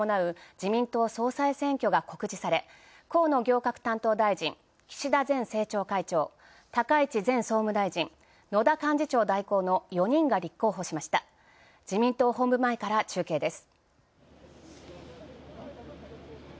自民党総裁選挙が告示され、河野行革担当大臣、岸田前政調会長、高市前総務大臣、野田幹事長代行の４人が立候補しました自民党本部前から中継です。